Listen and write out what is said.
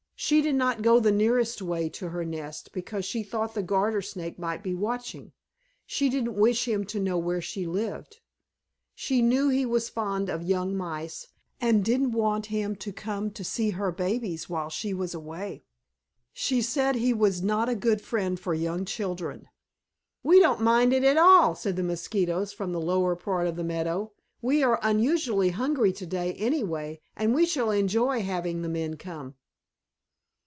She did not go the nearest way to her nest because she thought the Garter Snake might be watching. She didn't wish him to know where she lived. She knew he was fond of young Mice, and didn't want him to come to see her babies while she was away. She said he was not a good friend for young children. "We don't mind it at all," said the Mosquitoes from the lower part of the meadow. "We are unusually hungry today anyway, and we shall enjoy having the men come."